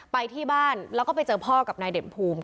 ไปที่บ้านแล้วก็ไปเจอพ่อกับนายเด่นภูมิ